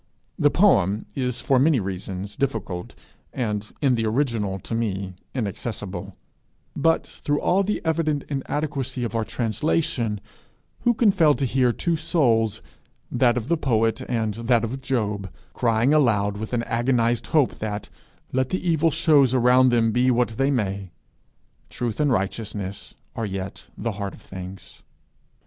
The poem is for many reasons difficult, and in the original to me inaccessible; but, through all the evident inadequacy of our translation, who can fail to hear two souls, that of the poet and that of Job, crying aloud with an agonized hope that, let the evil shows around them be what they may, truth and righteousness are yet the heart of things.